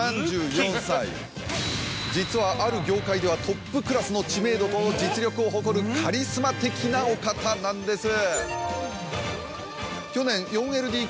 実はある業界ではトップクラスの知名度と実力を誇るカリスマ的なお方なんです。